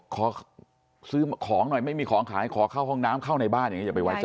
ขอซื้อของหน่อยไม่มีของขายขอเข้าห้องน้ำเข้าในบ้านอย่างนี้อย่าไปไว้ใจ